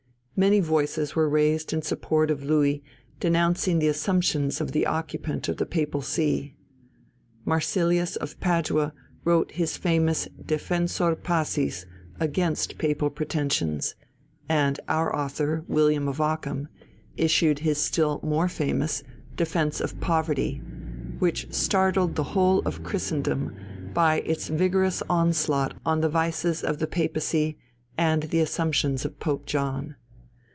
Many voices were raised in support of Louis denouncing the assumptions of the occupant of the Papal See. Marcilius of Padua wrote his famous Defensor Pacis against Papal pretensions, and our author, William of Ockham, issued his still more famous Defence of Poverty, which startled the whole of Christendom by its vigorous onslaught on the vices of the Papacy and the assumptions of Pope John.